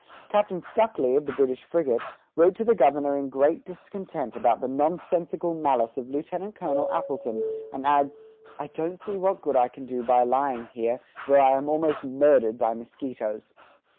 Captain Stuckley, of the British frigate, wrote to the governor in great discontent about the "nonsensical malice" of Lieutenant Colonel Appleton, and adds, "I don't see what good I can do by lying here, where I am almost murdered by mosquitoes."